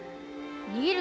逃げる